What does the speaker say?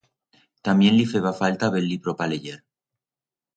Tamién li feba falta bel libro pa leyer.